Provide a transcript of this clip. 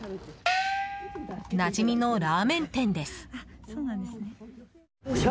なじみのラーメン店です。